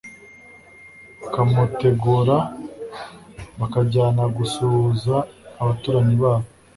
Akamuterura bakajyana gusuhuza abaturanyi babo